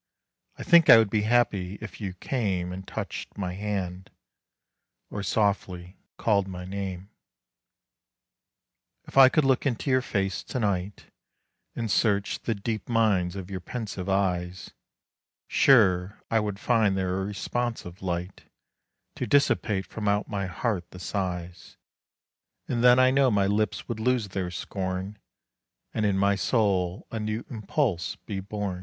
I think I would be happy if you came And touched my hand, or softly called my name. If I could look into your face to night, And search the deep mines of your pensive eyes, Sure, I would find there a responsive light, To dissipate from out my heart the sighs; And then I know my lips would lose their scorn, And in my soul a new impulse be born.